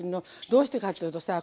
どうしてかっていうと根菜はさ